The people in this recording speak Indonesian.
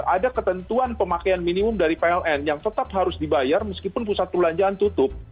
ada ketentuan pemakaian minimum dari pln yang tetap harus dibayar meskipun pusat perbelanjaan tutup